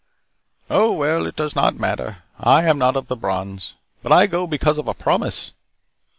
"Oh, well, it does not matter. I am not of the Brons, but I go because of a promise."